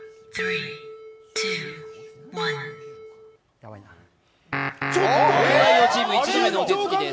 やばいな東大王チーム１度目のお手つきです。